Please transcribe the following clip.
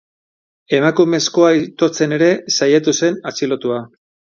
Emakumezkoa itotzen ere saiatu zen atxilotua.